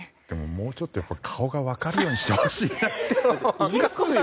もうちょっと顔が分かるようにしてほしいな。